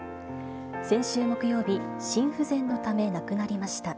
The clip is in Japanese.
先週木曜日、心不全のため亡くなりました。